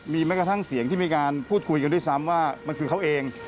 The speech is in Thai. มีแม้กระทั่งเสียงที่มีการพูดคุยกันด้วยซ้ำว่ามันคือเขาเอง